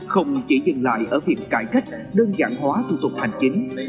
không chỉ dừng lại ở việc cải cách đơn giản hóa thủ tục hành chính